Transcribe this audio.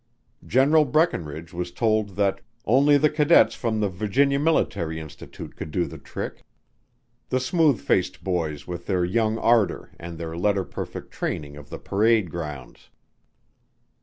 General Breckenridge was told that only the cadets from the Virginia Military Institute could do the trick: the smooth faced boys with their young ardor and their letter perfect training of the parade grounds.